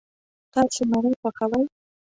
تاسو مڼې خوښوئ؟